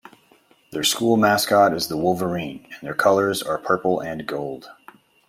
Their school mascot is the wolverine, and their colors are purple and gold.